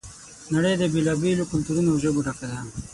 نړۍ د بېلا بېلو کلتورونو او ژبو ډکه ده.